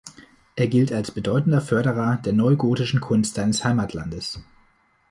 Er gilt als bedeutender Förderer der neugotischen Kunst seines Heimatlandes.